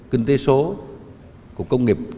kinh tế số của công nghiệp